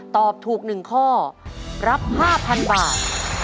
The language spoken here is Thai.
ตอบถูกหนึ่งข้อรับห้าพันบาท